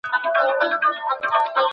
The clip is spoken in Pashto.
د هيوادونو نړيوال سياست تل بدلون مومي.